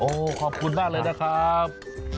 ขอบคุณมากเลยนะครับ